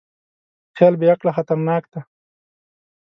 خیال بېعقله خطرناک دی.